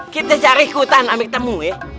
kita cari hutan ambil temu ya